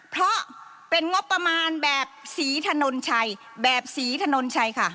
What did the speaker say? เพราะเป็นงบประมาณแบบศรีถนนชัยแบบศรีถนนชัยค่ะ